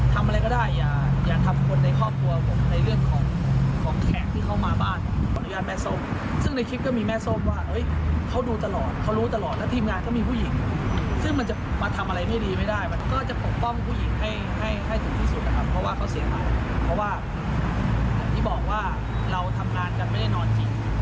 เพราะว่าเขาเสียหายเพราะว่าอย่างที่บอกว่าเราทำงานกันไม่ได้นอนจริง